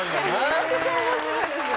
めちゃくちゃ面白いですよ。